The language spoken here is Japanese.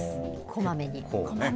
こまめに。